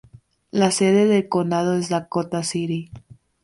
La sede del condado es Dakota City.